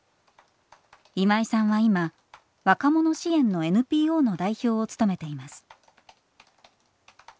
今井さんは今若者支援のＮＰＯの代表を務めています。